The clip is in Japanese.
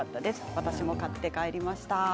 私も買って帰りました。